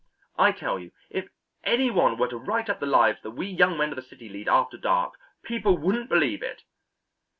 I tell you if any one were to write up the lives that we young men of the city lead after dark, people wouldn't believe it.